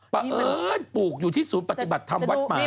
เอิญปลูกอยู่ที่ศูนย์ปฏิบัติธรรมวัดใหม่